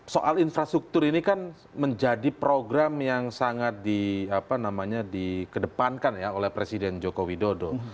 soal infrastruktur ini kan menjadi program yang sangat dikedepankan ya oleh presiden joko widodo